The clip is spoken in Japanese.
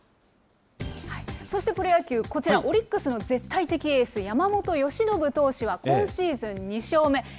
そしてプロ野球、こちら、オリックスの絶対的エース、山本由伸投手は今シーズン２勝目。